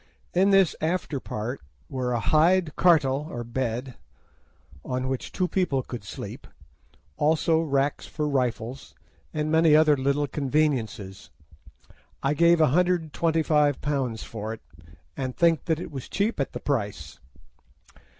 In this after part were a hide "cartle," or bed, on which two people could sleep, also racks for rifles, and many other little conveniences. I gave £125 for it, and think that it was cheap at the price.